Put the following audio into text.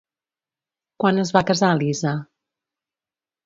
Quan es va casar Lisa?